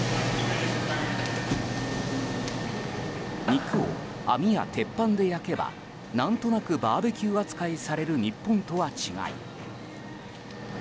肉を網や鉄板で焼けば何となくバーベキュー扱いされる日本とは違い